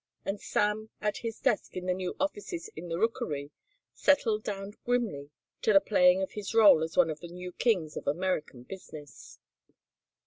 And Sam, at his desk in his new offices in the Rookery, settled down grimly to the playing of his role as one of the new kings of American business.